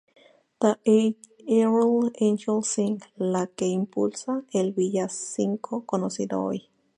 The Herald Angels Sing", la que impulsa el villancico conocido hoy.